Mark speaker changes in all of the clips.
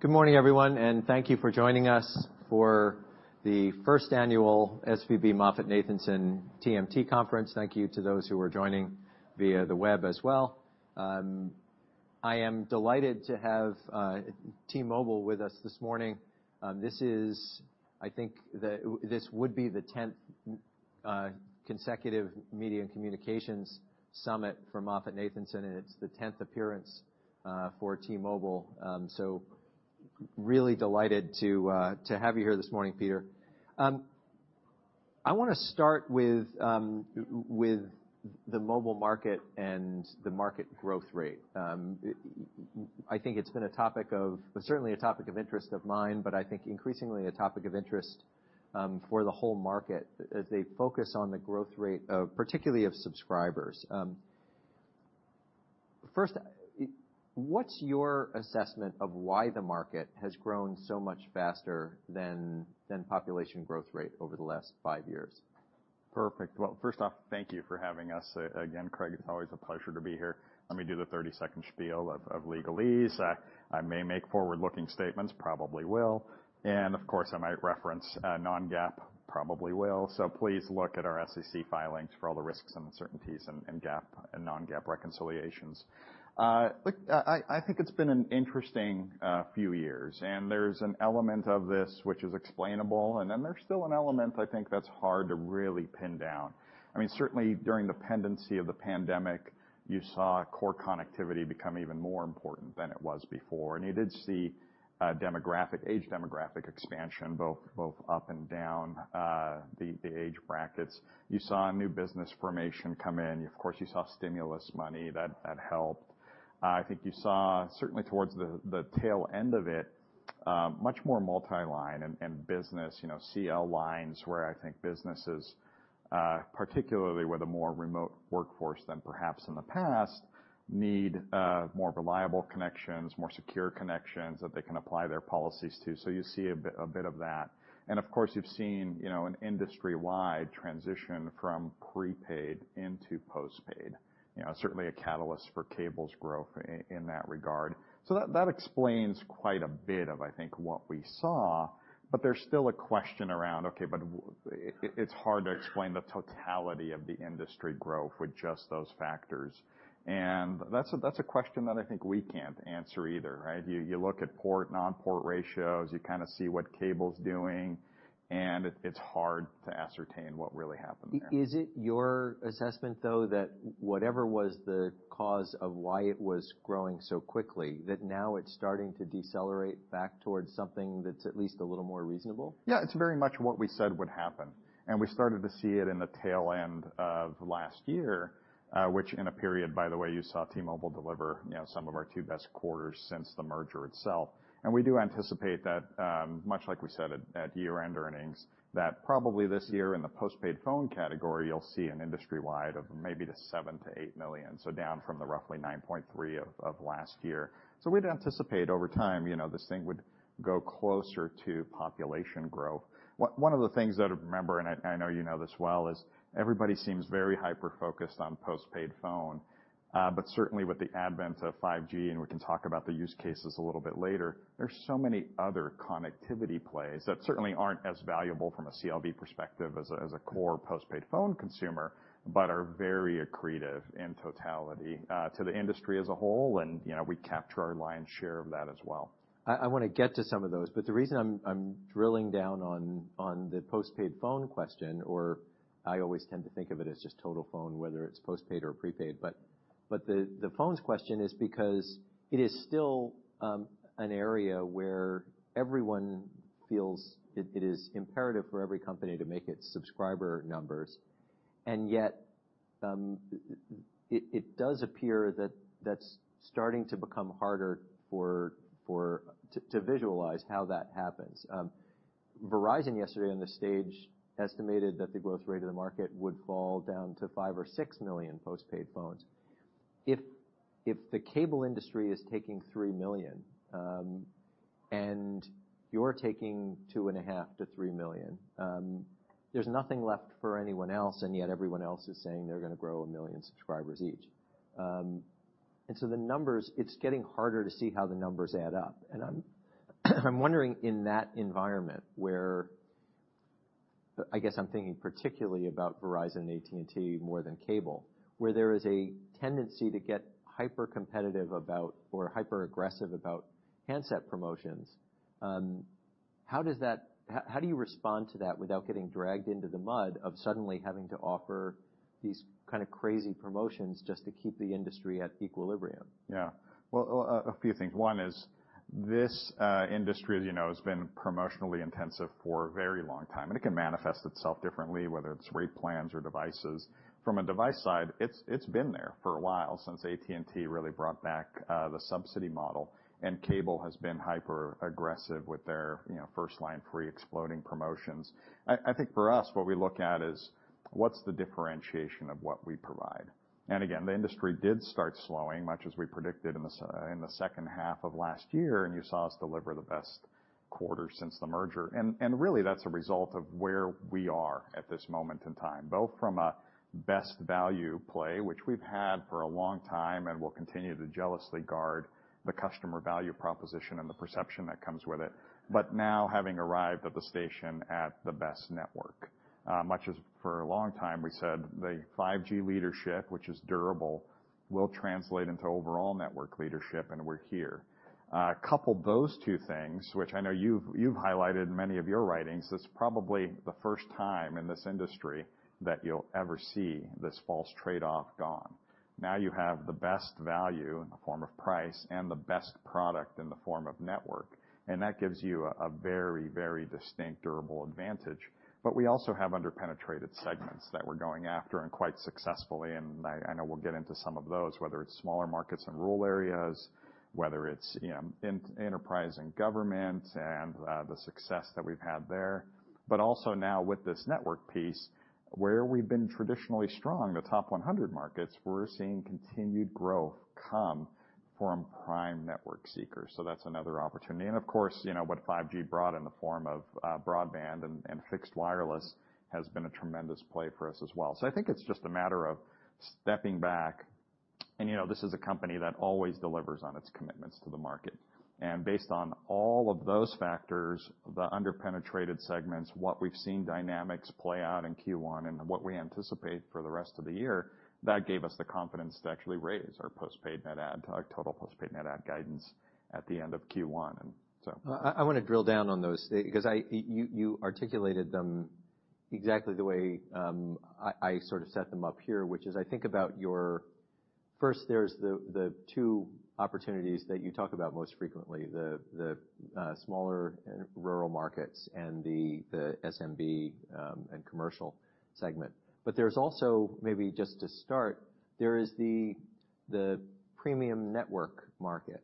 Speaker 1: Good morning, everyone, thank you for joining us for the first annual SVB MoffettNathanson TMT Conference. Thank you to those who are joining via the web as well. I am delighted to have T-Mobile with us this morning. This is, I think this would be the tenth consecutive media and communications summit for MoffettNathanson, it's the tenth appearance for T-Mobile. Really delighted to have you here this morning, Peter. I wanna start with the mobile market and the market growth rate. I think it's been certainly a topic of interest of mine, but I think increasingly a topic of interest for the whole market as they focus on particularly of subscribers. First, what's your assessment of why the market has grown so much faster than population growth rate over the last five years?
Speaker 2: Perfect. Well, first off, thank you for having us. Again, Craig, it's always a pleasure to be here. Let me do the 30-second spiel of legalese. I may make forward-looking statements, probably will, and of course, I might reference non-GAAP, probably will. Please look at our SEC filings for all the risks and uncertainties in GAAP and non-GAAP reconciliations. Look, I think it's been an interesting few years, and there's an element of this which is explainable, and then there's still an element I think that's hard to really pin down. I mean, certainly during the pendency of the pandemic, you saw core connectivity become even more important than it was before. You did see a demographic, age demographic expansion, both up and down the age brackets. You saw new business formation come in. Of course, you saw stimulus money. That helped. I think you saw, certainly towards the tail end of it, much more multi-line and business, you know, CL lines, where I think businesses, particularly with a more remote workforce than perhaps in the past, need more reliable connections, more secure connections that they can apply their policies to. You see a bit of that. Of course, you've seen, you know, an industry-wide transition from prepaid into postpaid. You know, certainly a catalyst for cable's growth in that regard. That explains quite a bit of, I think, what we saw, there's still a question around, okay, but it's hard to explain the totality of the industry growth with just those factors. That's a question that I think we can't answer either, right? You look at port, non-port ratios, you kinda see what cable's doing, and it's hard to ascertain what really happened there.
Speaker 1: Is it your assessment, though, that whatever was the cause of why it was growing so quickly, that now it's starting to decelerate back towards something that's at least a little more reasonable?
Speaker 2: Yeah, it's very much what we said would happen. We started to see it in the tail end of last year, which in a period, by the way, you saw T-Mobile deliver, you know, some of our two best quarters since the merger itself. We do anticipate that, much like we said at year-end earnings, that probably this year in the postpaid phone category, you'll see an industry-wide of maybe 7 million-8 million, so down from the roughly 9.3 million of last year. We'd anticipate over time, you know, this thing would go closer to population growth. One of the things that I remember, and I know you know this well, is everybody seems very hyper-focused on postpaid phone. Certainly with the advent of 5G, and we can talk about the use cases a little bit later, there's so many other connectivity plays that certainly aren't as valuable from a CLV perspective as a, as a core postpaid phone consumer, but are very accretive in totality, to the industry as a whole. You know, we capture our lion's share of that as well.
Speaker 1: I wanna get to some of those, the reason I'm drilling down on the postpaid phone question, or I always tend to think of it as just total phone, whether it's postpaid or prepaid. The phones question is because it is still an area where everyone feels it is imperative for every company to make its subscriber numbers. Yet, it does appear that that's starting to become harder to visualize how that happens. Verizon yesterday on the stage estimated that the growth rate of the market would fall down to 5 or 6 million postpaid phones. If the cable industry is taking $3 million, and you're taking $2.5 million-$3 million, there's nothing left for anyone else, and yet everyone else is saying they're gonna grow 1 million subscribers each. The numbers, it's getting harder to see how the numbers add up. I'm wondering in that environment where... I guess I'm thinking particularly about Verizon and AT&T more than cable, where there is a tendency to get hypercompetitive about, or hyperaggressive about handset promotions. How do you respond to that without getting dragged into the mud of suddenly having to offer these kinda crazy promotions just to keep the industry at equilibrium?
Speaker 2: Yeah. Well, a few things. One is this industry, as you know, has been promotionally intensive for a very long time, and it can manifest itself differently, whether it's rate plans or devices. From a device side, it's been there for a while, since AT&T really brought back the subsidy model, and cable has been hyperaggressive with their, you know, first-line free exploding promotions. I think for us, what we look at is what's the differentiation of what we provide. Again, the industry did start slowing, much as we predicted in the second half of last year, and you saw us deliver the best quarter since the merger. Really that's a result of where we are at this moment in time, both from a best value play, which we've had for a long time and will continue to jealously guard the customer value proposition and the perception that comes with it. Now having arrived at the station at the best network, much as for a long time we said the 5G leadership, which is durable, will translate into overall network leadership, and we're here. Couple those two things, which I know you've highlighted in many of your writings, it's probably the first time in this industry that you'll ever see this false trade-off gone. Now you have the best value in the form of price and the best product in the form of network, and that gives you a very, very distinct, durable advantage. We also have under-penetrated segments that we're going after and quite successfully, and I know we'll get into some of those, whether it's smaller markets in rural areas, whether it's, you know, in enterprise and government and the success that we've had there. Also now with this network piece, where we've been traditionally strong, the top 100 markets, we're seeing continued growth come from prime network seekers. That's another opportunity. Of course, you know, what 5G brought in the form of broadband and fixed wireless has been a tremendous play for us as well. I think it's just a matter of stepping back, and you know, this is a company that always delivers on its commitments to the market. Based on all of those factors, the under-penetrated segments, what we've seen dynamics play out in Q1, and what we anticipate for the rest of the year, that gave us the confidence to actually raise our postpaid net add, our total postpaid net add guidance at the end of Q1.
Speaker 1: I wanna drill down on those because you articulated them exactly the way I sort of set them up here, which is I think about your... First, there's the two opportunities that you talk about most frequently, the smaller rural markets and the SMB and commercial segment. There's also, maybe just to start, there is the premium network market.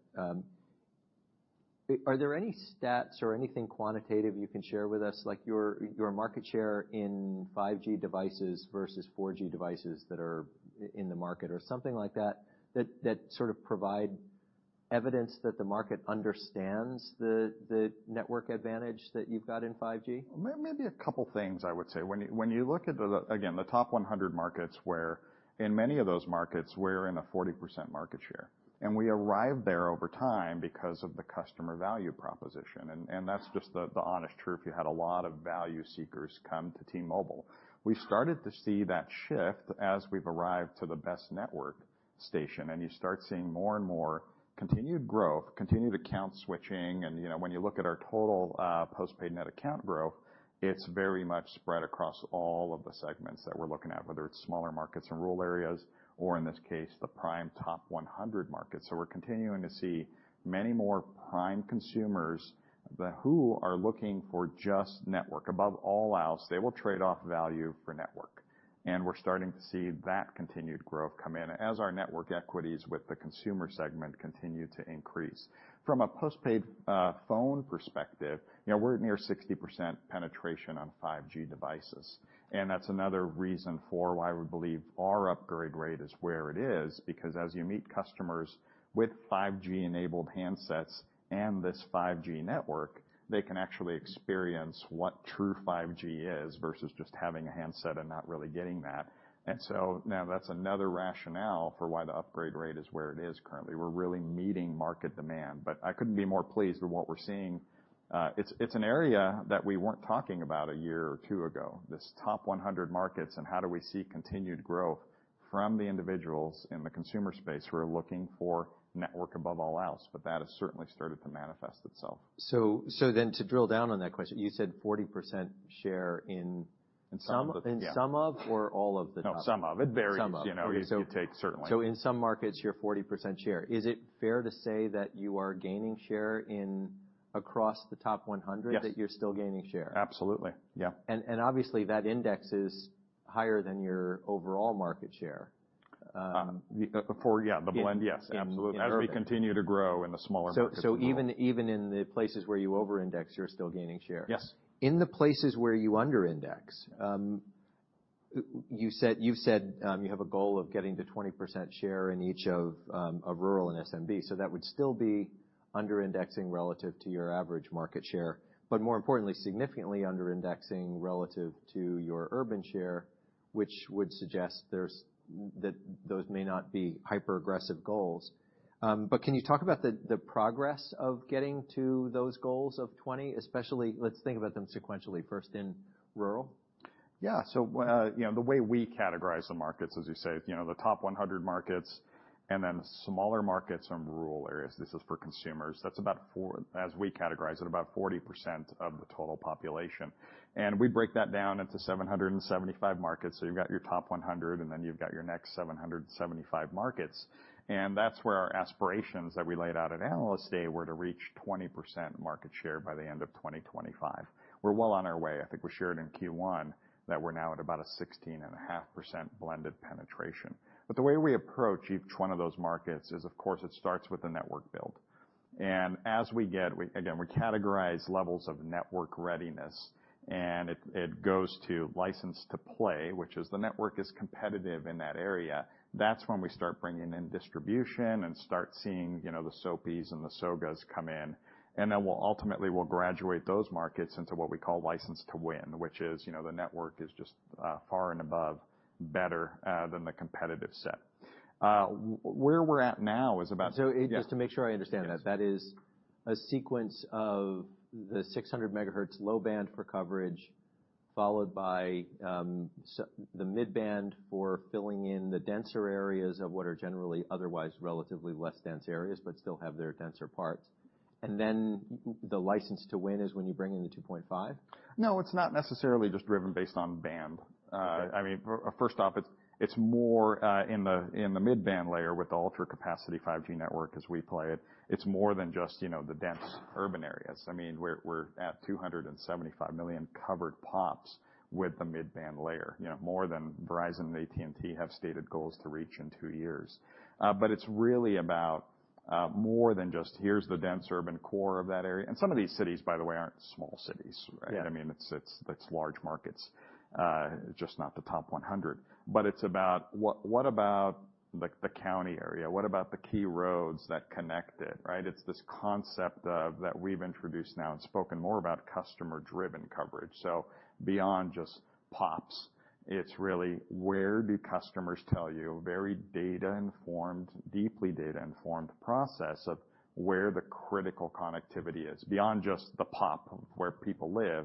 Speaker 1: Are there any stats or anything quantitative you can share with us, like your market share in 5G devices versus 4G devices that are in the market or something like that sort of provide evidence that the market understands the network advantage that you've got in 5G?
Speaker 2: Maybe a couple things I would say. When you look at the, again, the top 100 markets, where in many of those markets, we're in a 40% market share. We arrived there over time because of the customer value proposition, and that's just the honest truth. You had a lot of value seekers come to T-Mobile. We started to see that shift as we've arrived to the best network station, and you start seeing more and more continued growth, continued account switching. You know, when you look at our total postpaid net account growth, it's very much spread across all of the segments that we're looking at, whether it's smaller markets in rural areas or, in this case, the prime top 100 markets. We're continuing to see many more prime consumers who are looking for just network. Above all else, they will trade off value for network. We're starting to see that continued growth come in as our network equities with the consumer segment continue to increase. From a postpaid phone perspective, you know, we're near 60% penetration on 5G devices. That's another reason for why we believe our upgrade rate is where it is, because as you meet customers with 5G-enabled handsets and this 5G network, they can actually experience what true 5G is versus just having a handset and not really getting that. Now that's another rationale for why the upgrade rate is where it is currently. We're really meeting market demand. I couldn't be more pleased with what we're seeing. It's an area that we weren't talking about a year or two ago, this top 100 markets and how do we see continued growth from the individuals in the consumer space who are looking for network above all else, that has certainly started to manifest itself.
Speaker 1: So, then to drill down on that question, you said 40% share-
Speaker 2: In some of it, yeah.
Speaker 1: in some of or all of the top?
Speaker 2: No, some of. It varies...
Speaker 1: Some of.
Speaker 2: You know, you take certainly.
Speaker 1: In some markets, you're 40% share. Is it fair to say that you are gaining share in across the top 100-
Speaker 2: Yes
Speaker 1: that you're still gaining share?
Speaker 2: Absolutely, yeah.
Speaker 1: Obviously, that index is higher than your overall market share.
Speaker 2: Yeah, the blend, yes, absolutely.
Speaker 1: In urban.
Speaker 2: As we continue to grow in the smaller markets as well.
Speaker 1: Even in the places where you over-index, you're still gaining share.
Speaker 2: Yes.
Speaker 1: In the places where you under-index, you've said, you have a goal of getting to 20% share in each of rural and SMB. That would still be under-indexing relative to your average market share, but more importantly, significantly under-indexing relative to your urban share, which would suggest that those may not be hyper-aggressive goals. Can you talk about the progress of getting to those goals of 20? Especially, let's think about them sequentially, first in rural.
Speaker 2: Yeah, you know, the way we categorize the markets, as you say, you know, the top 100 markets and then smaller markets in rural areas, this is for consumers. That's as we categorize it, about 40% of the total population. We break that down into 775 markets. You've got your top 100, then you've got your next 775 markets. That's where our aspirations that we laid out at Analyst Day were to reach 20% market share by the end of 2025. We're well on our way. I think we shared in Q1 that we're now at about a 16.5% blended penetration. The way we approach each one of those markets is, of course, it starts with the network build. As we again, we categorize levels of network readiness, and it goes to license to play, which is the network is competitive in that area. That's when we start bringing in distribution and start seeing, you know, the SOPs and the SOGAs come in. Then ultimately, we'll graduate those markets into what we call license to win, which is, you know, the network is just far and above better than the competitive set. Where we're at now is about.
Speaker 1: Just to make sure I understand that.
Speaker 2: Yes.
Speaker 1: That is a sequence of the 600 MHz low-band for coverage, followed by the mid-band for filling in the denser areas of what are generally otherwise relatively less dense areas, but still have their denser parts. Then the license to win is when you bring in the 2.5 GHz?
Speaker 2: No, it's not necessarily just driven based on band. I mean, first off, it's more in the mid-band layer with the Ultra Capacity 5G network as we play it. It's more than just, you know, the dense urban areas. I mean, we're at 275 million covered pops with the mid-band layer. You know, more than Verizon and AT&T have stated goals to reach in two years. It's really about more than just here's the dense urban core of that area. Some of these cities, by the way, aren't small cities, right?
Speaker 1: Yeah.
Speaker 2: I mean, it's large markets, just not the top 100. It's about what about the county area? What about the key roads that connect it, right? It's this concept that we've introduced now and spoken more about customer-driven coverage. Beyond just pops, it's really where do customers tell you very data-informed, deeply data-informed process of where the critical connectivity is, beyond just the pop of where people live,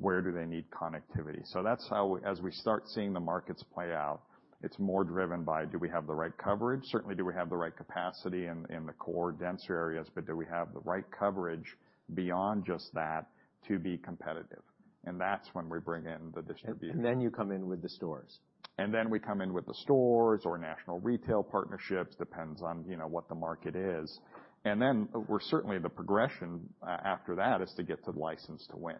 Speaker 2: where do they need connectivity? That's how as we start seeing the markets play out, it's more driven by do we have the right coverage? Certainly, do we have the right capacity in the core denser areas, but do we have the right coverage beyond just that to be competitive? That's when we bring in the distribution.
Speaker 1: You come in with the stores.
Speaker 2: We come in with the stores or national retail partnerships, depends on, you know, what the market is. We're certainly the progression after that is to get to license to win.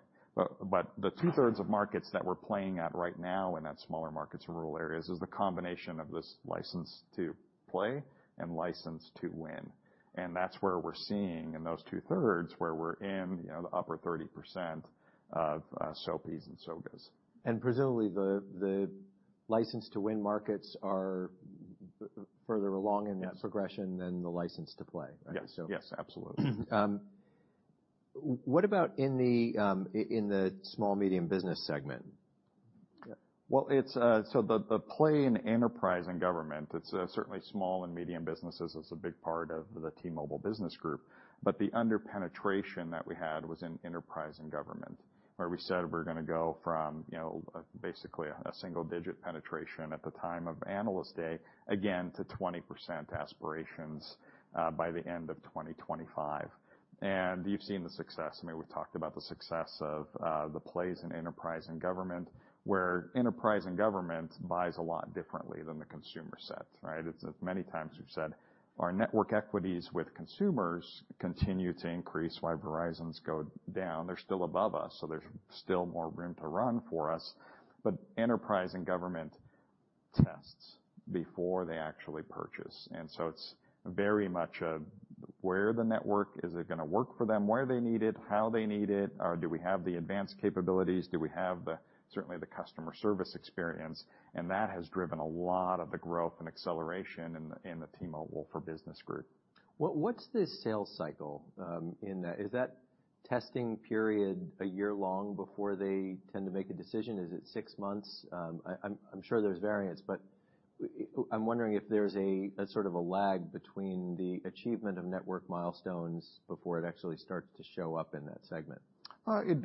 Speaker 2: The 2/3 of markets that we're playing at right now in that smaller markets rural areas is the combination of this license to play and license to win. That's where we're seeing in those 2/3, where we're in, you know, the upper 30% of SoPs and SOGAs.
Speaker 1: Presumably, the license to win markets are further along-
Speaker 2: Yes.
Speaker 1: in the progression than the license to play.
Speaker 2: Yes. Yes. Absolutely.
Speaker 1: What about in the Small Medium Business segment?
Speaker 2: Well, so the play in Enterprise and Government, it's certainly small and medium businesses is a big part of the T-Mobile for Business group. The under-penetration that we had was in Enterprise and Government, where we said we're gonna go from, you know, basically a single-digit penetration at the time of Analyst Day, again, to 20% aspirations by the end of 2025. You've seen the success. I mean, we've talked about the success of the plays in Enterprise and Government, where Enterprise and Government buys a lot differently than the consumer set, right? It's, many times we've said our network equities with consumers continue to increase, while Verizon's go down. They're still above us, so there's still more room to run for us. Enterprise and Government tests before they actually purchase. It's very much a where the network, is it gonna work for them, where they need it, how they need it? Do we have the advanced capabilities? Do we have the, certainly the customer service experience? That has driven a lot of the growth and acceleration in the, in the T-Mobile for Business group.
Speaker 1: What's the sales cycle in that? Is that testing period a year long before they tend to make a decision? Is it six months? I'm sure there's variance, but I'm wondering if there's a sort of a lag between the achievement of network milestones before it actually starts to show up in that segment.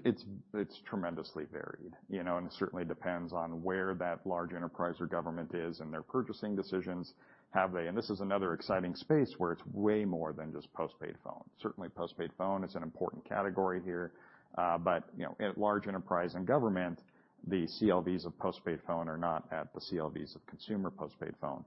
Speaker 2: It's tremendously varied, you know, and it certainly depends on where that large enterprise or government is and their purchasing decisions. This is another exciting space where it's way more than just postpaid phone. Certainly postpaid phone is an important category here. But, you know, at large enterprise and government, the CLVs of postpaid phone are not at the CLVs of consumer postpaid phone.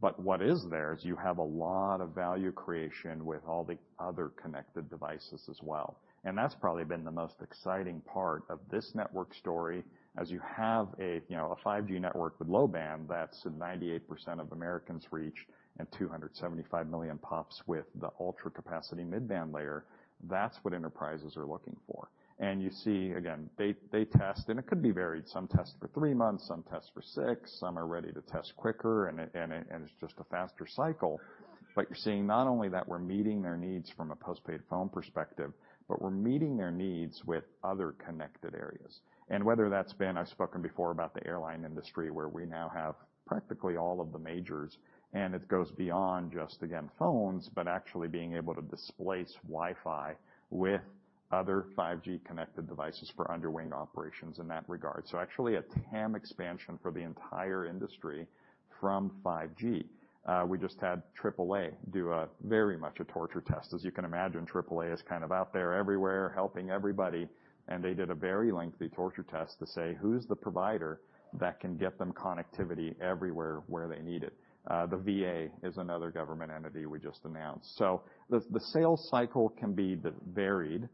Speaker 2: What is there is you have a lot of value creation with all the other connected devices as well. That's probably been the most exciting part of this network story, as you have, you know, a 5G network with low-band that's 98% of Americans reach and 275 million pops with the Ultra Capacity mid-band layer. That's what enterprises are looking for. You see, again, they test, and it could be varied. Some test for three months, some test for six, some are ready to test quicker, and it's just a faster cycle. You're seeing not only that we're meeting their needs from a postpaid phone perspective, but we're meeting their needs with other connected areas. Whether that's been, I've spoken before about the airline industry, where we now have practically all of the majors, and it goes beyond just, again, phones, but actually being able to displace Wi-Fi with other 5G connected devices for underwing operations in that regard. Actually a TAM expansion for the entire industry from 5G. We just had AAA do a very much a torture test. As you can imagine, AAA is kind of out there everywhere helping everybody, and they did a very lengthy torture test to say who's the provider that can get them connectivity everywhere where they need it. The VA is another government entity we just announced. The sales cycle can be varied,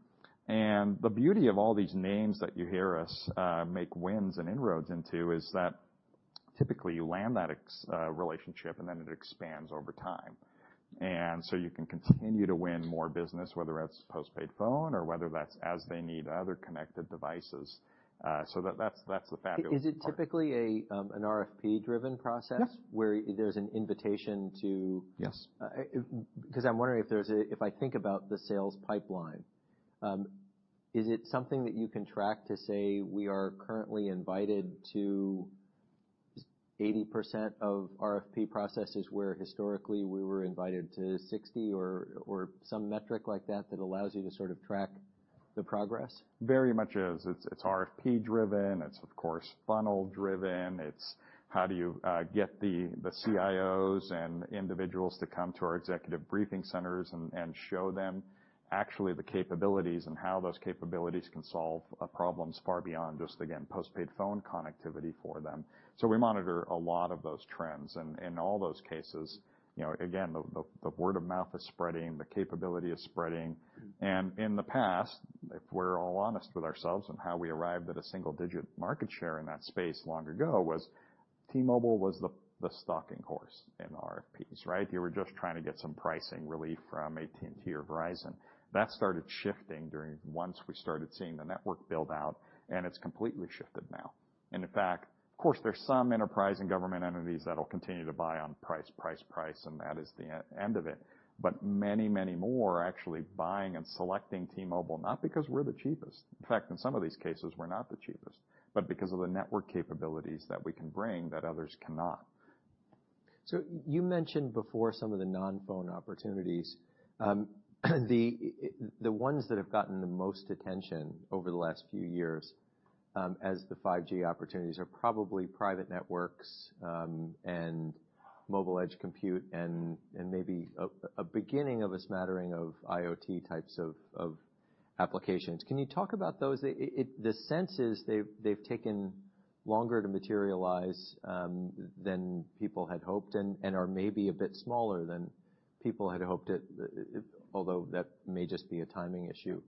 Speaker 2: and the beauty of all these names that you hear us make wins and inroads into is that typically you land that relationship, and then it expands over time. You can continue to win more business, whether that's postpaid phone or whether that's as they need other connected devices. That's, that's the fabulous part.
Speaker 1: Is it typically an RFP-driven process?
Speaker 2: Yeah.
Speaker 1: Where there's an invitation to...
Speaker 2: Yes.
Speaker 1: Because if I think about the sales pipeline, is it something that you can track to say we are currently invited to 80% of RFP processes where historically we were invited to 60 or some metric like that allows you to sort of track the progress?
Speaker 2: Very much is. It's RFP driven, it's of course funnel driven. It's how do you get the CIOs and individuals to come to our executive briefing centers and show them actually the capabilities and how those capabilities can solve problems far beyond just, again, postpaid phone connectivity for them. We monitor a lot of those trends and in all those cases, you know, again, the word of mouth is spreading, the capability is spreading. In the past, if we're all honest with ourselves on how we arrived at a single digit market share in that space long ago, was T-Mobile was the stalking horse in RFPs, right? You were just trying to get some pricing relief from AT&T or Verizon. That started shifting once we started seeing the network build out, and it's completely shifted now. In fact, of course, there's some enterprise and government entities that'll continue to buy on price, price, and that is the end of it. Many, many more are actually buying and selecting T-Mobile, not because we're the cheapest. In fact, in some of these cases, we're not the cheapest. Because of the network capabilities that we can bring that others cannot.
Speaker 1: You mentioned before some of the non-phone opportunities. The ones that have gotten the most attention over the last few years, as the 5G opportunities are probably private networks, and mobile edge compute and maybe a beginning of a smattering of IoT types of applications. Can you talk about those? The sense is they've taken longer to materialize than people had hoped and are maybe a bit smaller than people had hoped. Although that may just be a timing issue.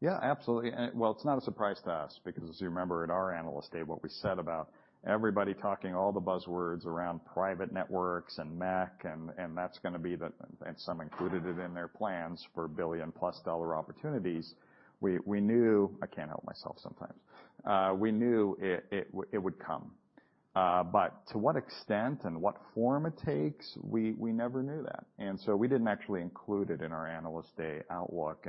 Speaker 2: Yeah, absolutely. Well, it's not a surprise to us because as you remember at our Analyst Day, what we said about everybody talking all the buzzwords around private networks and MEC, and that's gonna be the and some included it in their plans for $1 billion-plus opportunities. We knew... I can't help myself sometimes. We knew it would come. But to what extent and what form it takes, we never knew that. So we didn't actually include it in our Analyst Day outlook.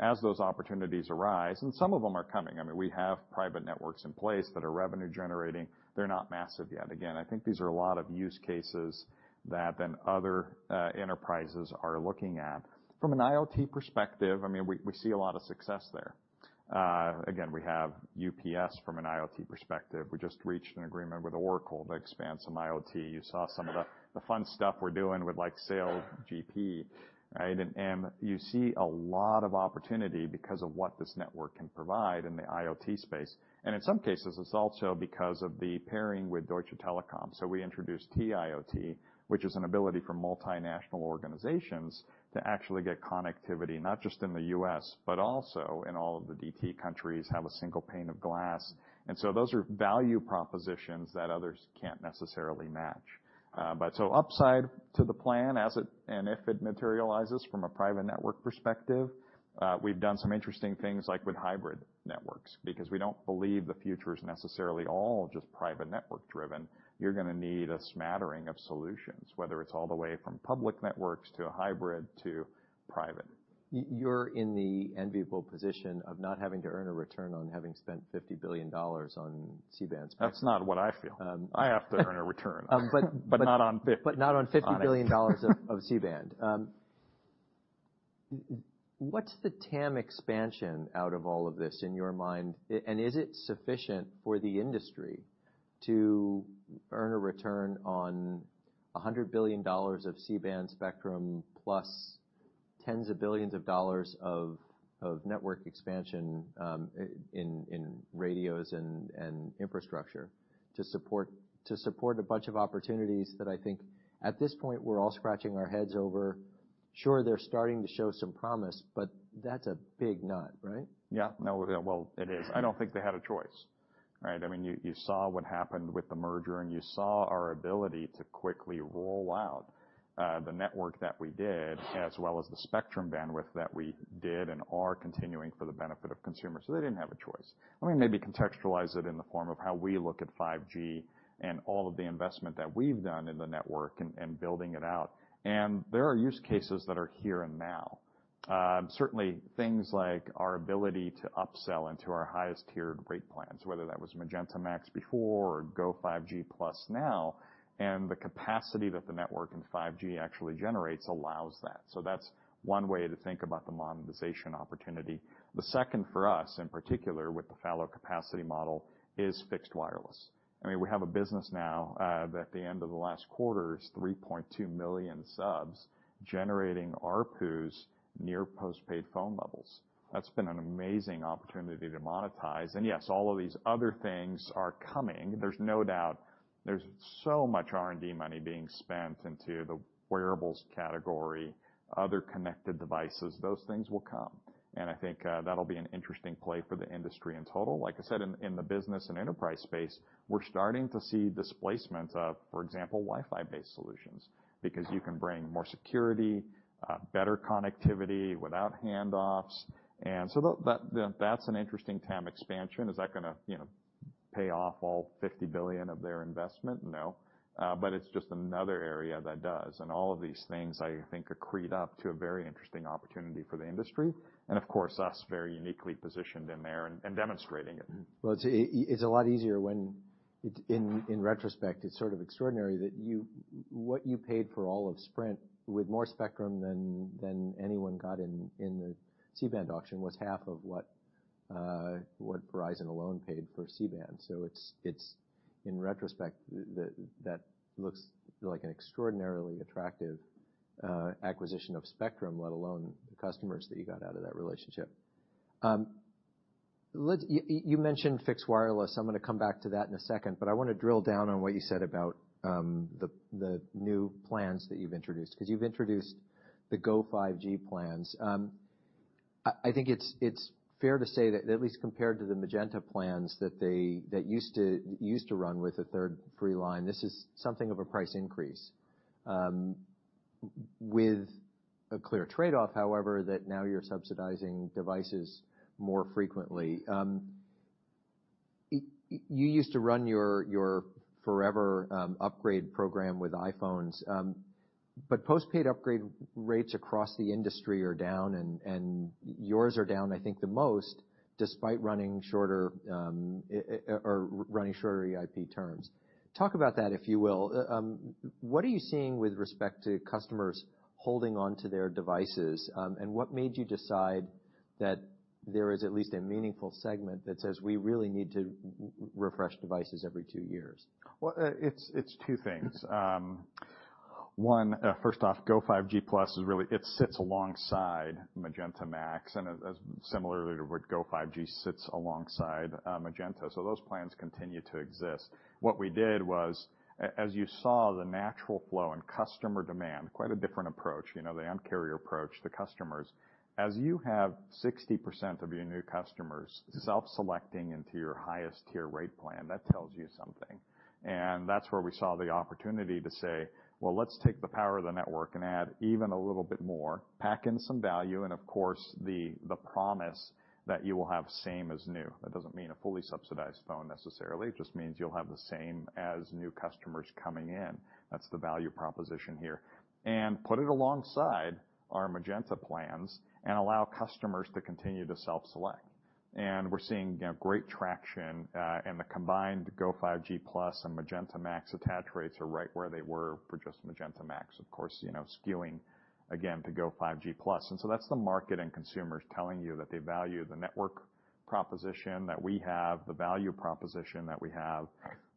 Speaker 2: As those opportunities arise, and some of them are coming, I mean, we have private networks in place that are revenue-generating. They're not massive yet. Again, I think these are a lot of use cases that then other enterprises are looking at. From an IoT perspective, I mean, we see a lot of success there. Again, we have UPS from an IoT perspective. We just reached an agreement with Oracle to expand some IoT. You saw some of the fun stuff we're doing with like SailGP, right? You see a lot of opportunity because of what this network can provide in the IoT space. In some cases, it's also because of the pairing with Deutsche Telekom. We introduced T-IoT, which is an ability for multinational organizations to actually get connectivity, not just in the U.S., but also in all of the DT countries, have a single pane of glass. Those are value propositions that others can't necessarily match. Upside to the plan as it, and if it materializes from a private network perspective, we've done some interesting things like with hybrid networks, because we don't believe the future is necessarily all just private network driven. You're gonna need a smattering of solutions, whether it's all the way from public networks to a hybrid to private.
Speaker 1: You're in the enviable position of not having to earn a return on having spent $50 billion on C-band spectrum.
Speaker 2: That's not what I feel.
Speaker 1: Um.
Speaker 2: I have to earn a return.
Speaker 1: Um, but, but-
Speaker 2: Not on 50.
Speaker 1: Not on $50 billion of C-band. What's the TAM expansion out of all of this in your mind, and is it sufficient for the industry to earn a return on $100 billion of C-band spectrum plus tens of billions of dollars of network expansion, in radios and infrastructure to support a bunch of opportunities that I think at this point, we're all scratching our heads over? Sure, they're starting to show some promise, but that's a big nut, right?
Speaker 2: Yeah. No, well, it is. I don't think they had a choice, right? I mean, you saw what happened with the merger, and you saw our ability to quickly roll out the network that we did, as well as the spectrum bandwidth that we did and are continuing for the benefit of consumers. They didn't have a choice. Let me maybe contextualize it in the form of how we look at 5G and all of the investment that we've done in the network and building it out. There are use cases that are here and now. certainly things like our ability to upsell into our highest tiered rate plans, whether that was Magenta MAX before or Go5G Plus now, and the capacity that the network and 5G actually generates allows that. That's one way to think about the monetization opportunity. The second for us, in particular with the fallow capacity model, is fixed wireless. I mean, we have a business now, that at the end of the last quarter is 3.2 million subs generating ARPUs near postpaid phone levels. That's been an amazing opportunity to monetize. Yes, all of these other things are coming. There's no doubt. There's so much R&D money being spent into the wearables category, other connected devices. Those things will come. I think, that'll be an interesting play for the industry in total. Like I said, in the business and enterprise space, we're starting to see displacement of, for example, Wi-Fi based solutions, because you can bring more security, better connectivity without handoffs. That's an interesting TAM expansion. Is that gonna, you know, pay off all $50 billion of their investment? No. It's just another area that does. All of these things, I think, accrete up to a very interesting opportunity for the industry, and of course, us very uniquely positioned in there and demonstrating it.
Speaker 1: It's a lot easier when in retrospect, it's sort of extraordinary that what you paid for all of Sprint with more spectrum than anyone got in the C-band auction was half of what Verizon alone paid for C-band. In retrospect, that looks like an extraordinarily attractive acquisition of spectrum, let alone the customers that you got out of that relationship. You mentioned fixed wireless. I'm gonna come back to that in a second, but I wanna drill down on what you said about the new plans that you've introduced, 'cause you've introduced the Go5G plans. I think it's fair to say that at least compared to the Magenta plans that used to run with a third free line, this is something of a price increase, with a clear trade-off, however, that now you're subsidizing devices more frequently. You used to run your Forever Upgrade program with iPhones. Postpaid upgrade rates across the industry are down and yours are down, I think the most despite running shorter or running shorter EIP terms. Talk about that, if you will. What are you seeing with respect to customers holding on to their devices, and what made you decide that there is at least a meaningful segment that says we really need to refresh devices every two years?
Speaker 2: Well, it's two things. First off, Go5G Plus sits alongside Magenta MAX, and as similarly to where Go5G sits alongside Magenta. Those plans continue to exist. What we did was, as you saw, the natural flow in customer demand, quite a different approach, you know, the Un-carrier approach to customers. As you have 60% of your new customers self-selecting into your highest tier rate plan, that tells you something. That's where we saw the opportunity to say, "Well, let's take the power of the network and add even a little bit more, pack in some value, and of course, the promise that you will have same as new." That doesn't mean a fully subsidized phone necessarily. It just means you'll have the same as new customers coming in. That's the value proposition here. Put it alongside our Magenta plans and allow customers to continue to self-select. We're seeing, you know, great traction, and the combined Go5G Plus and Magenta MAX attach rates are right where they were for just Magenta MAX, of course, you know, skewing again to Go5G Plus. That's the market and consumers telling you that they value the network proposition that we have, the value proposition that we have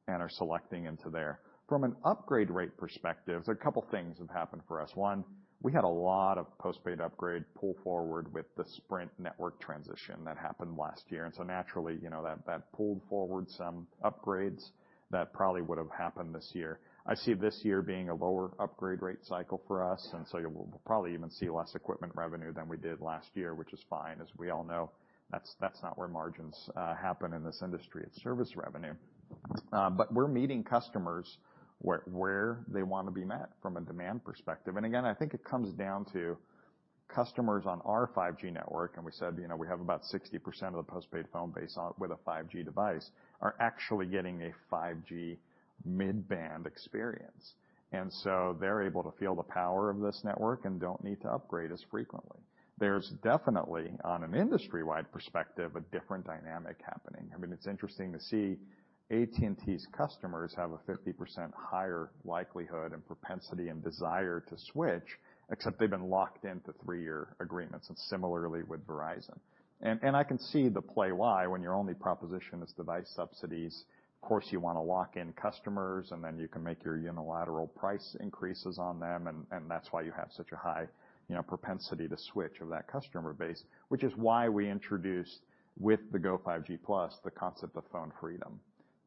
Speaker 2: and are selecting into there. From an upgrade rate perspective, a couple things have happened for us. One, we had a lot of postpaid upgrade pull forward with the Sprint network transition that happened last year. Naturally, you know, that pulled forward some upgrades that probably would've happened this year. I see this year being a lower upgrade rate cycle for us, so we'll probably even see less equipment revenue than we did last year, which is fine. As we all know, that's not where margins happen in this industry. It's service revenue. We're meeting customers where they wanna be met from a demand perspective. Again, I think it comes down to customers on our 5G network, and we said, you know, we have about 60% of the postpaid phone base with a 5G device, are actually getting a 5G mid-band experience. So they're able to feel the power of this network and don't need to upgrade as frequently. There's definitely, on an industry-wide perspective, a different dynamic happening. I mean, it's interesting to see AT&T's customers have a 50% higher likelihood and propensity and desire to switch, except they've been locked into three-year agreements, and similarly with Verizon. I can see the play why when your only proposition is device subsidies. Of course, you wanna lock in customers, and then you can make your unilateral price increases on them and that's why you have such a high, you know, propensity to switch of that customer base, which is why we introduced with the Go5G Plus the concept of Phone Freedom,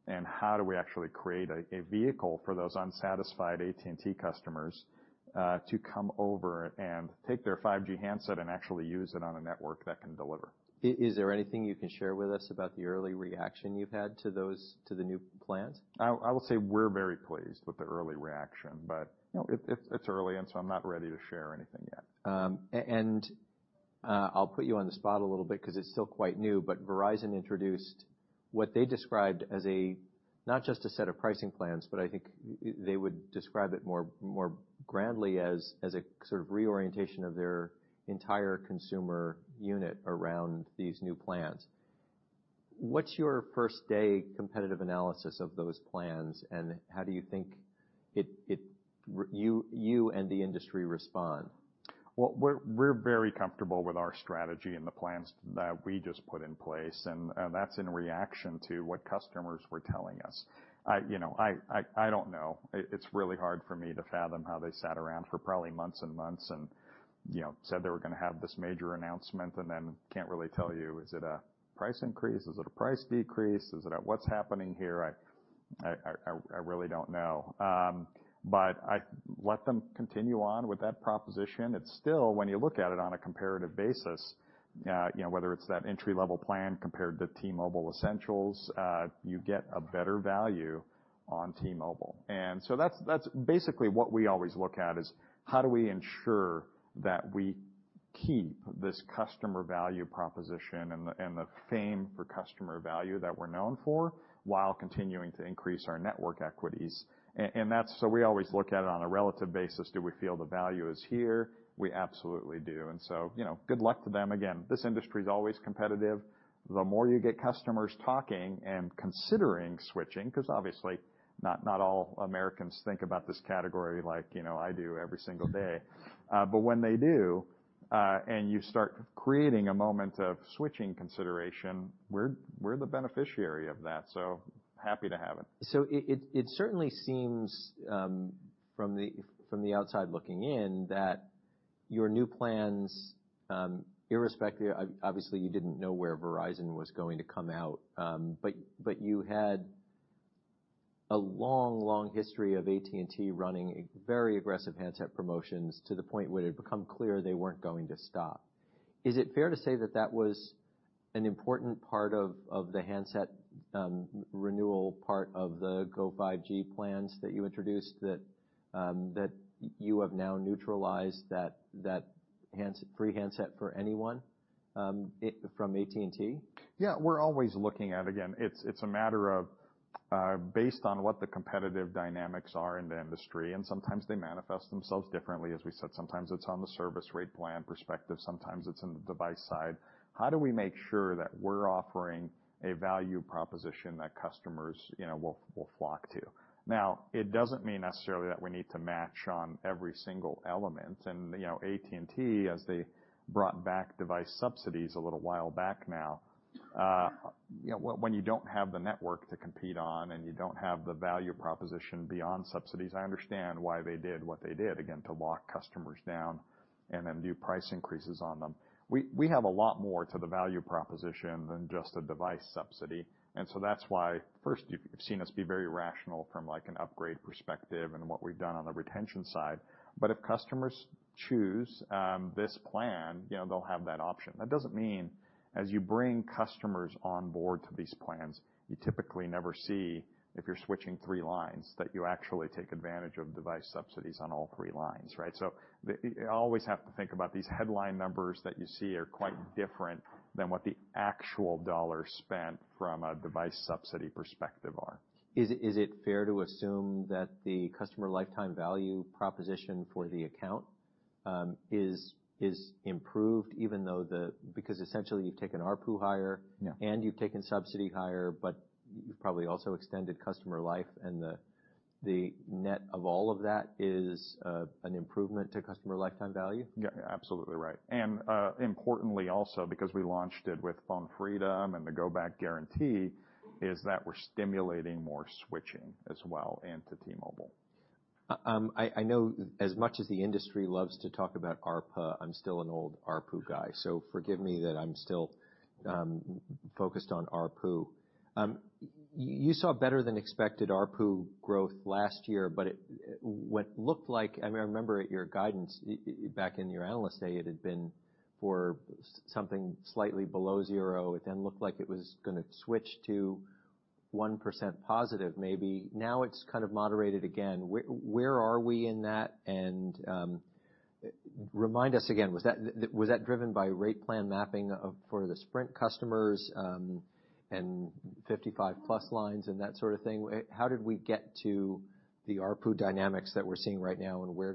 Speaker 2: and how do we actually create a vehicle for those unsatisfied AT&T customers to come over and take their 5G handset and actually use it on a network that can deliver.
Speaker 1: Is there anything you can share with us about the early reaction you've had to those, to the new plans?
Speaker 2: I will say we're very pleased with the early reaction, but, you know, it's early, and so I'm not ready to share anything yet.
Speaker 1: I'll put you on the spot a little bit because it's still quite new, but Verizon introduced what they described as a, not just a set of pricing plans, but I think they would describe it more, more grandly as a sort of reorientation of their entire consumer unit around these new plans. What's your first day competitive analysis of those plans, and how do you think you and the industry respond?
Speaker 2: Well, we're very comfortable with our strategy and the plans that we just put in place, and, that's in reaction to what customers were telling us. I, you know, I don't know. It's really hard for me to fathom how they sat around for probably months and, you know, said they were gonna have this major announcement and then can't really tell you, is it a price increase? Is it a price decrease? Is it a? What's happening here? I really don't know. I let them continue on with that proposition. It's still, when you look at it on a comparative basis, you know, whether it's that entry-level plan compared to T-Mobile Essentials, you get a better value on T-Mobile. That's basically what we always look at is how do we ensure that we keep this customer value proposition and the fame for customer value that we're known for while continuing to increase our network equities. We always look at it on a relative basis. Do we feel the value is here? We absolutely do. You know, good luck to them. Again, this industry is always competitive. The more you get customers talking and considering switching, because obviously not all Americans think about this category like, you know, I do every single day. But when they do, and you start creating a moment of switching consideration, we're the beneficiary of that. Happy to have it.
Speaker 1: It certainly seems from the outside looking in that your new plans, irrespective— Obviously, you didn't know where Verizon was going to come out, but you had a long, long history of AT&T running very aggressive handset promotions to the point where it had become clear they weren't going to stop. Is it fair to say that that was an important part of the handset renewal part of the Go5G plans that you introduced that you have now neutralized that free handset for anyone from AT&T?
Speaker 2: Yeah, we're always looking at, again, it's a matter of, based on what the competitive dynamics are in the industry, and sometimes they manifest themselves differently. As we said, sometimes it's on the service rate plan perspective, sometimes it's in the device side. How do we make sure that we're offering a value proposition that customers, you know, will flock to? Now, it doesn't mean necessarily that we need to match on every single element. You know, AT&T, as they brought back device subsidies a little while back now, you know, when you don't have the network to compete on and you don't have the value proposition beyond subsidies, I understand why they did what they did, again, to lock customers down and then do price increases on them. We have a lot more to the value proposition than just a device subsidy. That's why, first, you've seen us be very rational from, like, an upgrade perspective and what we've done on the retention side. If customers choose this plan, you know, they'll have that option. That doesn't mean as you bring customers on board to these plans, you typically never see if you're switching three lines that you actually take advantage of device subsidies on all three lines, right? You always have to think about these headline numbers that you see are quite different than what the actual dollars spent from a device subsidy perspective are.
Speaker 1: Is it fair to assume that the customer lifetime value proposition for the account, is improved even though because essentially you've taken ARPU higher?
Speaker 2: Yeah.
Speaker 1: You've taken subsidy higher, but you've probably also extended customer life and the net of all of that is an improvement to customer lifetime value?
Speaker 2: Yeah. You're absolutely right. Importantly also, because we launched it with Phone Freedom and the Go Back Guarantee, is that we're stimulating more switching as well into T-Mobile.
Speaker 1: I know as much as the industry loves to talk about ARPA, I'm still an old ARPU guy, so forgive me that I'm still focused on ARPU. You saw better than expected ARPU growth last year, but what looked like I mean, I remember at your guidance back in your Analyst Day, it had been for something slightly below 0. It then looked like it was gonna switch to 1% positive maybe. Now it's kind of moderated again. Where are we in that? remind us again, was that driven by rate plan mapping for the Sprint customers, and 55+ lines and that sort of thing? How did we get to the ARPU dynamics that we're seeing right now, and where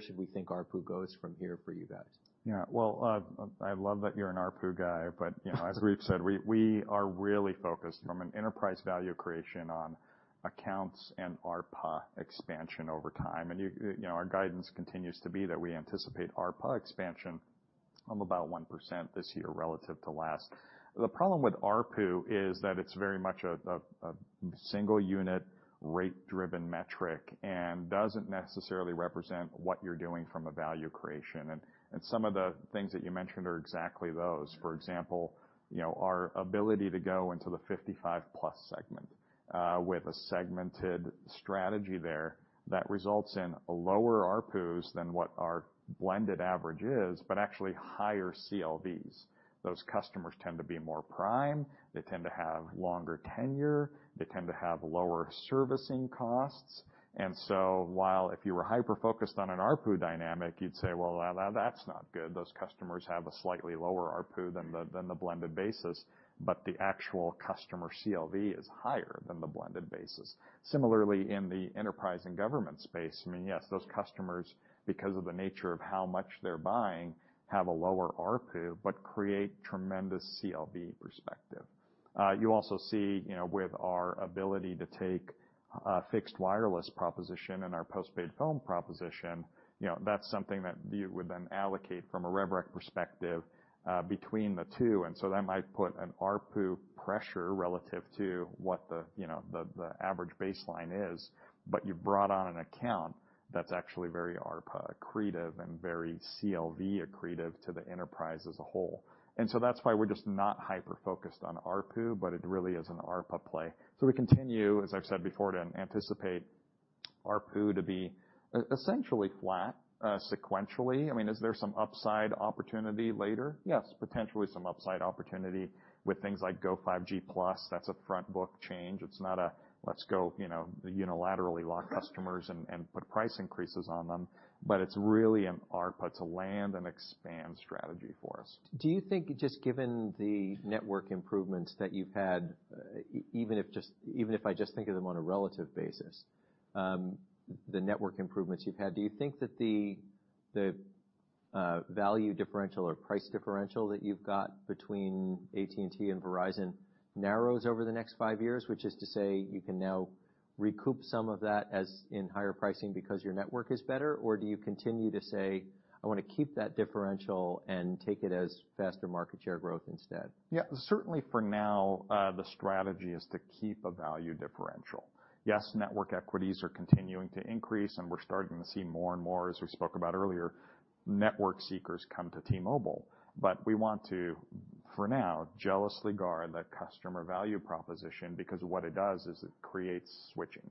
Speaker 1: should we think ARPU goes from here for you guys?
Speaker 2: Yeah. Well, I love that you're an ARPU guy, but, you know, as we've said, we are really focused from an enterprise value creation on accounts and ARPA expansion over time. You know, our guidance continues to be that we anticipate ARPA expansion of about 1% this year relative to last. The problem with ARPU is that it's very much a, a single unit rate-driven metric and doesn't necessarily represent what you're doing from a value creation. Some of the things that you mentioned are exactly those. For example, you know, our ability to go into the 55 plus segment with a segmented strategy there that results in lower ARPUs than what our blended average is, but actually higher CLVs. Those customers tend to be more prime. They tend to have longer tenure. They tend to have lower servicing costs. While if you were hyper-focused on an ARPU dynamic, you'd say, "Well, that's not good. Those customers have a slightly lower ARPU than the blended basis," but the actual customer CLV is higher than the blended basis. Similarly, in the enterprise and government space, I mean, yes, those customers, because of the nature of how much they're buying, have a lower ARPU, but create tremendous CLV perspective. You also see, you know, with our ability to take a fixed wireless proposition and our postpaid phone proposition, you know, that's something that you would then allocate from a rev rec perspective between the two. That might put an ARPU pressure relative to what the, you know, the average baseline is, but you brought on an account that's actually very ARPA accretive and very CLV accretive to the enterprise as a whole. That's why we're just not hyper-focused on ARPU, but it really is an ARPA play. We continue, as I've said before, to anticipate ARPU to be essentially flat sequentially. I mean, is there some upside opportunity later? Yes, potentially some upside opportunity with things like Go5G Plus. That's a front book change. It's not a let's go, you know, unilaterally lock customers and put price increases on them. It's really an ARPU to land and expand strategy for us.
Speaker 1: Do you think just given the network improvements that you've had, even if I just think of them on a relative basis, the network improvements you've had, do you think that the value differential or price differential that you've got between AT&T and Verizon narrows over the next five years, which is to say you can now recoup some of that as in higher pricing because your network is better, or do you continue to say, "I wanna keep that differential and take it as faster market share growth instead?
Speaker 2: Yeah. Certainly for now, the strategy is to keep a value differential. Yes, network equities are continuing to increase, and we're starting to see more and more, as we spoke about earlier, network seekers come to T-Mobile. We want to, for now, jealously guard the customer value proposition because what it does is it creates switching,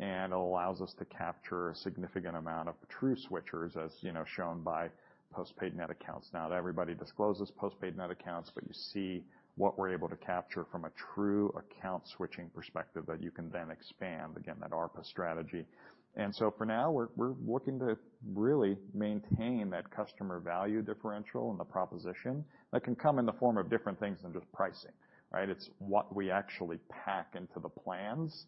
Speaker 2: and it allows us to capture a significant amount of true switchers, as, you know, shown by postpaid net accounts. Not everybody discloses postpaid net accounts, but you see what we're able to capture from a true account switching perspective that you can then expand, again, that ARPA strategy. For now, we're looking to really maintain that customer value differential and the proposition. That can come in the form of different things than just pricing, right? It's what we actually pack into the plans,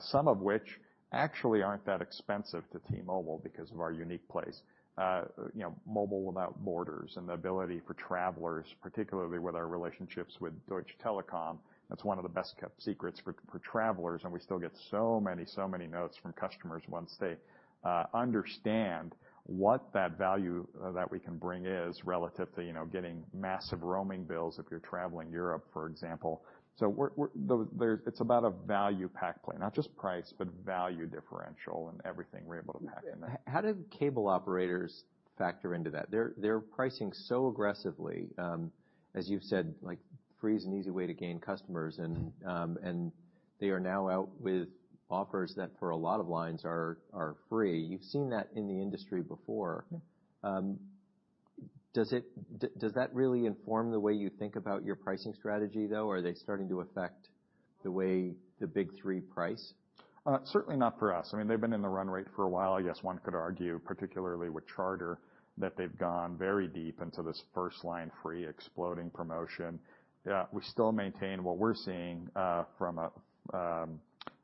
Speaker 2: some of which actually aren't that expensive to T-Mobile because of our unique place. You know, Mobile Without Borders and the ability for travelers, particularly with our relationships with Deutsche Telekom, that's one of the best-kept secrets for travelers, and we still get so many notes from customers once they understand what that value that we can bring is relative to, you know, getting massive roaming bills if you're traveling Europe, for example. It's about a value pack plan, not just price, but value differential and everything we're able to pack in there.
Speaker 1: How do cable operators factor into that? They're pricing so aggressively, as you've said, like free is an easy way to gain customers.
Speaker 2: Mm-hmm.
Speaker 1: They are now out with offers that for a lot of lines are free. You've seen that in the industry before.
Speaker 2: Yeah.
Speaker 1: Does that really inform the way you think about your pricing strategy, though? Are they starting to affect the way the big three price?
Speaker 2: Certainly not for us. I mean, they've been in the run rate for a while. Yes, one could argue, particularly with Charter, that they've gone very deep into this first-line free exploding promotion. We still maintain what we're seeing from an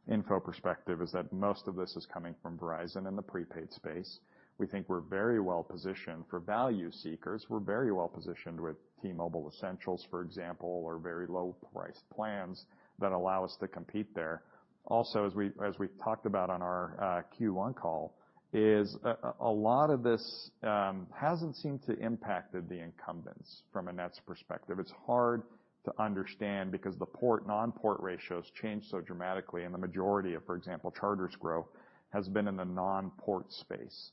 Speaker 2: info perspective is that most of this is coming from Verizon in the prepaid space. We think we're very well positioned for value seekers. We're very well positioned with T-Mobile Essentials, for example, or very low price plans that allow us to compete there. Also, as we talked about on our Q1 call, is a lot of this hasn't seemed to impacted the incumbents from a nets perspective. It's hard to understand because the port/non-port ratios change so dramatically, the majority of, for example, Charter's growth has been in the non-port space,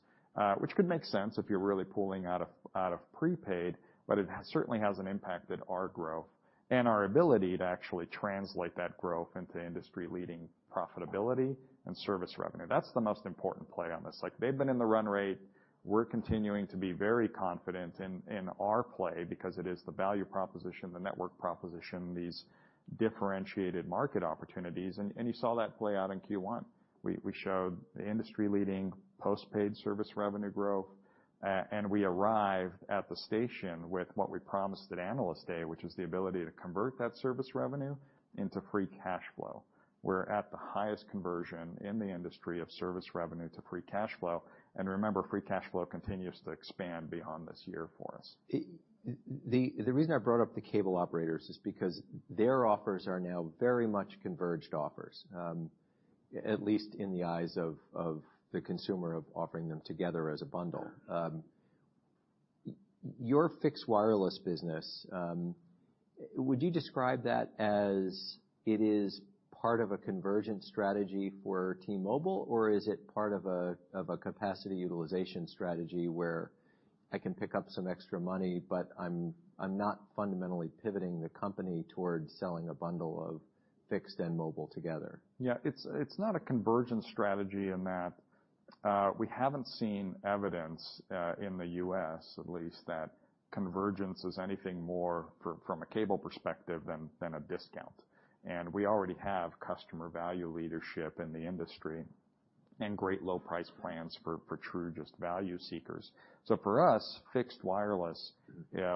Speaker 2: which could make sense if you're really pulling out of, out of prepaid, but it has certainly hasn't impacted our growth and our ability to actually translate that growth into industry-leading profitability and service revenue. That's the most important play on this. Like, they've been in the run rate. We're continuing to be very confident in our play because it is the value proposition, the network proposition, these differentiated market opportunities. You saw that play out in Q1. We showed the industry-leading postpaid service revenue growth, and we arrived at the station with what we promised at Analyst Day, which is the ability to convert that service revenue into free cash flow. We're at the highest conversion in the industry of service revenue to free cash flow. Remember, free cash flow continues to expand beyond this year for us.
Speaker 1: The reason I brought up the cable operators is because their offers are now very much converged offers, at least in the eyes of the consumer of offering them together as a bundle. Your fixed wireless business, would you describe that as it is part of a convergent strategy for T-Mobile, or is it part of a capacity utilization strategy where I can pick up some extra money, but I'm not fundamentally pivoting the company towards selling a bundle of fixed and mobile together?
Speaker 2: Yeah. It's, it's not a convergence strategy in that we haven't seen evidence in the US at least, that convergence is anything more from a cable perspective than a discount. We already have customer value leadership in the industry and great low price plans for true just value seekers. For us, fixed wireless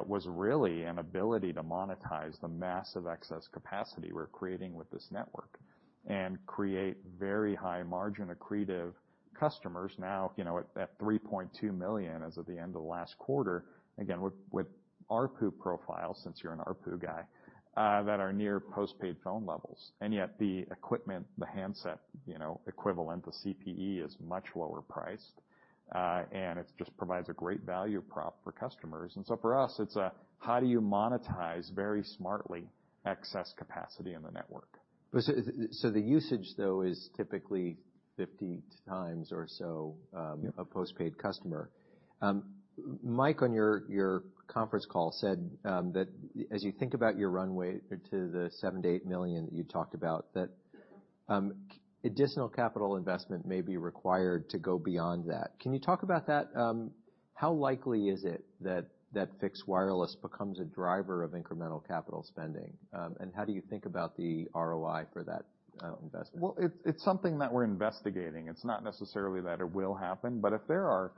Speaker 2: was really an ability to monetize the massive excess capacity we're creating with this network and create very high margin accretive customers now, you know, at $3.2 million as of the end of last quarter, again, with ARPU profiles, since you're an ARPU guy, that are near postpaid phone levels. Yet the equipment, the handset, you know, equivalent, the CPE is much lower priced, and it just provides a great value prop for customers. For us, it's a how do you monetize very smartly excess capacity in the network.
Speaker 1: The usage, though, is typically 50 times or so.
Speaker 2: Yeah.
Speaker 1: -a postpaid customer. Mike, on your conference call, said that as you think about your runway to the 7 million-8 million that you talked about, that additional capital investment may be required to go beyond that. Can you talk about that? How likely is it that fixed wireless becomes a driver of incremental capital spending? How do you think about the ROI for that investment?
Speaker 2: It's something that we're investigating. It's not necessarily that it will happen, but if there are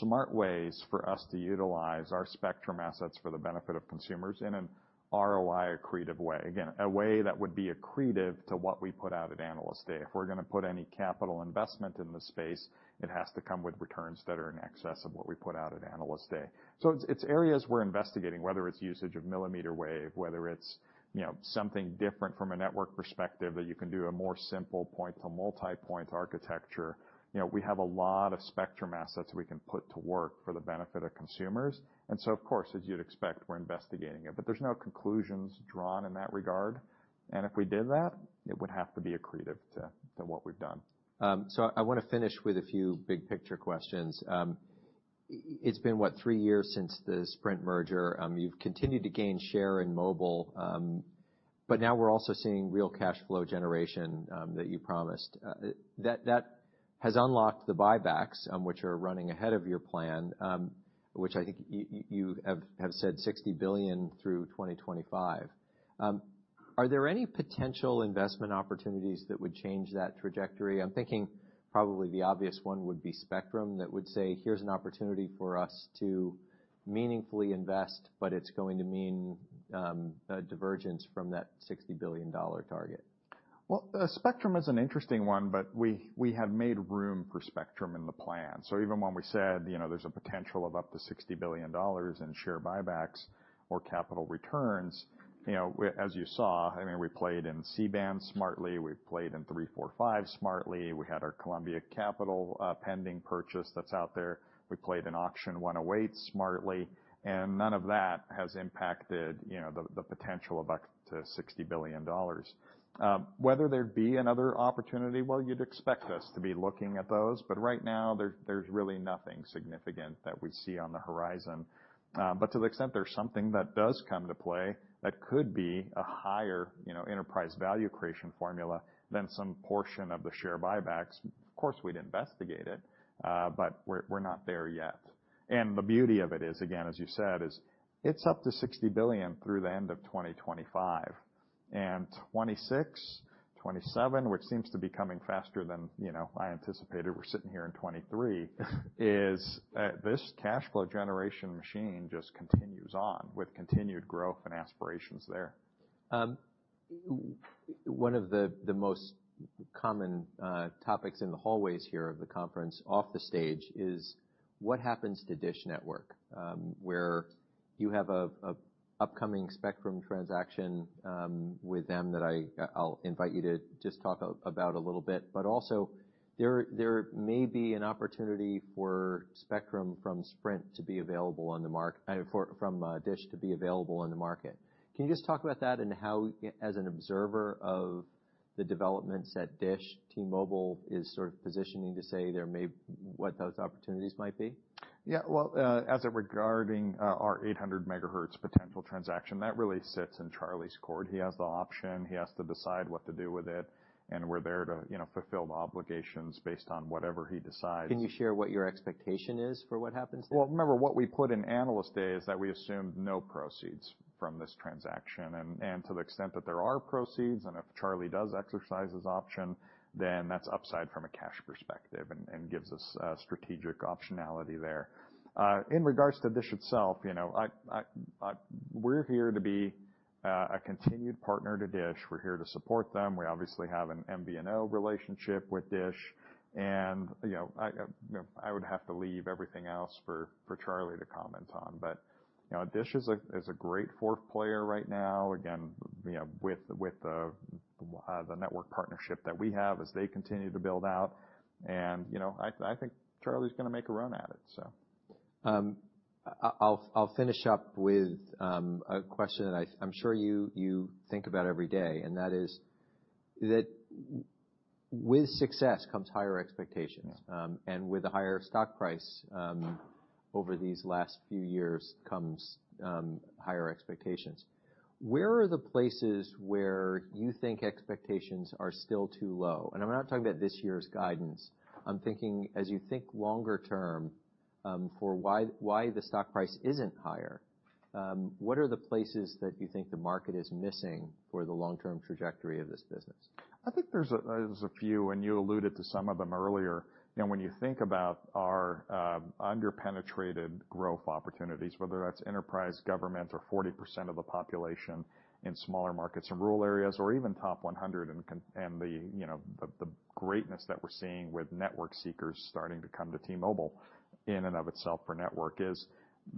Speaker 2: smart ways for us to utilize our spectrum assets for the benefit of consumers in an ROI-accretive way, again, a way that would be accretive to what we put out at Analyst Day. If we're gonna put any capital investment in the space, it has to come with returns that are in excess of what we put out at Analyst Day. It's areas we're investigating, whether it's usage of millimeter wave, whether it's, you know, something different from a network perspective that you can do a more simple point-to-multipoint architecture. You know, we have a lot of spectrum assets we can put to work for the benefit of consumers. Of course, as you'd expect, we're investigating it. There's no conclusions drawn in that regard, and if we did that, it would have to be accretive to what we've done.
Speaker 1: I wanna finish with a few big picture questions. It's been, what, three years since the Sprint merger. You've continued to gain share in mobile, now we're also seeing real cash flow generation that you promised. That has unlocked the buybacks, which are running ahead of your plan, which I think you have said $60 billion through 2025. Are there any potential investment opportunities that would change that trajectory? I'm thinking probably the obvious one would be spectrum that would say, "Here's an opportunity for us to meaningfully invest," it's going to mean a divergence from that $60 billion target.
Speaker 2: Well, spectrum is an interesting one, but we have made room for spectrum in the plan. Even when we said, you know, there's a potential of up to $60 billion in share buybacks or capital returns, you know, as you saw, I mean, we played in C-band smartly, we played in 3G, 4G, 5G smartly, we had our Columbia Capital pending purchase that's out there. We played in Auction 108 smartly, and none of that has impacted, you know, the potential of up to $60 billion. Whether there'd be another opportunity, well, you'd expect us to be looking at those, but right now there's really nothing significant that we see on the horizon. To the extent there's something that does come to play that could be a higher, you know, enterprise value creation formula than some portion of the share buybacks, of course we'd investigate it. We're not there yet. The beauty of it is, again, as you said, is it's up to $60 billion through the end of 2025. And 2026, 2027, which seems to be coming faster than, you know, I anticipated, we're sitting here in 2023, is, this cash flow generation machine just continues on with continued growth and aspirations there.
Speaker 1: One of the most common topics in the hallways here of the conference off the stage is what happens to Dish Network, where you have a upcoming spectrum transaction with them that I'll invite you to just talk about a little bit. Also, there may be an opportunity for spectrum from Sprint to be available on the market. I mean, from Dish to be available on the market. Can you just talk about that and how, as an observer of the developments at Dish, T-Mobile is sort of positioning to say there may what those opportunities might be?
Speaker 2: Yeah. Well, as regarding our 800 MHz potential transaction, that really sits in Charlie's court. He has the option. He has to decide what to do with it, and we're there to, you know, fulfill the obligations based on whatever he decides.
Speaker 1: Can you share what your expectation is for what happens there?
Speaker 2: Well, remember, what we put in Analyst Day is that we assumed no proceeds from this transaction. To the extent that there are proceeds, and if Charlie does exercise his option, then that's upside from a cash perspective and gives us strategic optionality there. In regards to DISH itself, you know, I, we're here to be a continued partner to DISH. We're here to support them. We obviously have an MVNO relationship with DISH and, you know, I would have to leave everything else for Charlie to comment on. DISH is a great fourth player right now, again, you know, with the network partnership that we have as they continue to build out and, you know, I think Charlie's gonna make a run at it.
Speaker 1: I'll finish up with a question that I'm sure you think about every day, and that is that with success comes higher expectations.
Speaker 2: Yeah.
Speaker 1: With a higher stock price over these last few years comes higher expectations. Where are the places where you think expectations are still too low? I'm not talking about this year's guidance. I'm thinking as you think longer term, for why the stock price isn't higher, what are the places that you think the market is missing for the long-term trajectory of this business?
Speaker 2: I think there's a few, and you alluded to some of them earlier. You know, when you think about our under-penetrated growth opportunities, whether that's enterprise, government or 40% of the population in smaller markets or rural areas or even top 100 and the, you know, the greatness that we're seeing with network seekers starting to come to T-Mobile in and of itself for network is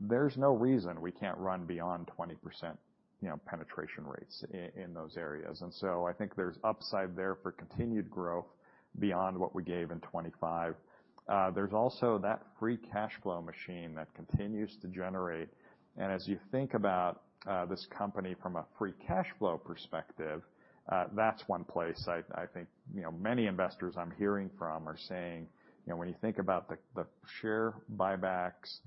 Speaker 2: there's no reason we can't run beyond 20%, you know, penetration rates in those areas. I think there's upside there for continued growth beyond what we gave in 25. There's also that free cash flow machine that continues to generate, and as you think about this company from a free cash flow perspective, that's one place I think, you know, many investors I'm hearing from are saying, you know, when you think about the share buybacks,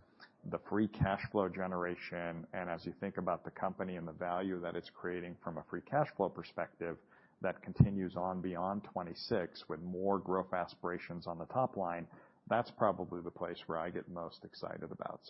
Speaker 2: the free cash flow generation, and as you think about the company and the value that it's creating from a free cash flow perspective, that continues on beyond 2026 with more growth aspirations on the top line, that's probably the place where I get most excited about.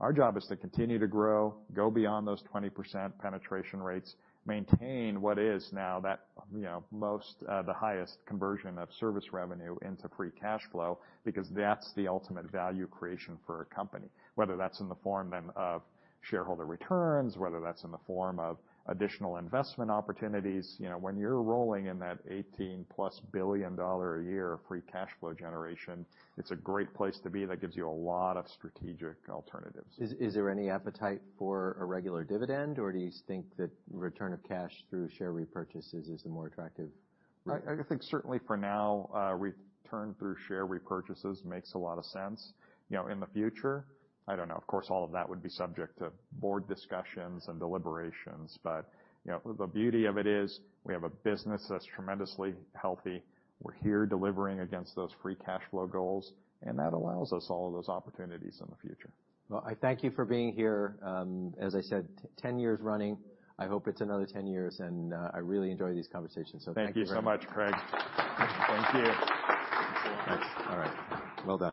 Speaker 2: Our job is to continue to grow, go beyond those 20% penetration rates, maintain what is now that, you know, the highest conversion of service revenue into free cash flow, because that's the ultimate value creation for a company, whether that's in the form then of shareholder returns, whether that's in the form of additional investment opportunities. You know, when you're rolling in that $18+ billion a year free cash flow generation, it's a great place to be. That gives you a lot of strategic alternatives.
Speaker 1: Is there any appetite for a regular dividend, or do you think that return of cash through share repurchases is a more attractive route?
Speaker 2: I think certainly for now, return through share repurchases makes a lot of sense. You know, in the future, I don't know. Of course, all of that would be subject to board discussions and deliberations, but you know, the beauty of it is we have a business that's tremendously healthy. We're here delivering against those free cash flow goals, and that allows us all of those opportunities in the future.
Speaker 1: Well, I thank you for being here. As I said, 10 years running. I hope it's another 10 years. I really enjoy these conversations. Thank you very much.
Speaker 2: Thank you so much, Craig. Thank you.
Speaker 1: Thanks. All right. Well done.